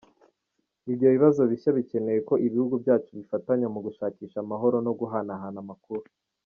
Ibyo bibazo bishya bikeneye ko ibihugu byacu bifatanya mu gushakisha amahoro no guhanahana amakuru.